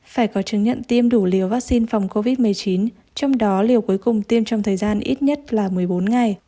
phải có chứng nhận tiêm đủ liều vaccine phòng covid một mươi chín trong đó liều cuối cùng tiêm trong thời gian ít nhất là một mươi bốn ngày